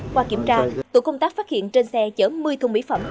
qua kiểm tra tổ công tác phát hiện trên xe chở một mươi thùng mỹ phẩm